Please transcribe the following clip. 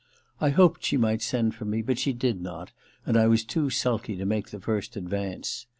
I hoped she might send for me, but she did not, and I was too sulky to make the first advance.